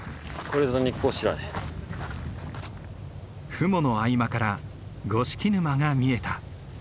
雲の合間から五色沼が見えた。